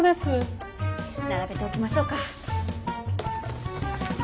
並べておきましょうか。